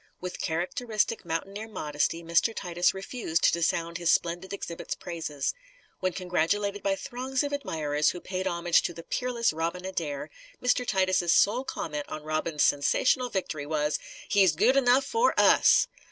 With characteristic mountaineer modesty, Mr. Titus refused to sound his splendid exhibit's praises. When congratulated by throngs of admirers who paid homage to the peerless Robin Adair, Mr. Titus' sole comment on Robin's sensational victory was: "He's good enough for us!"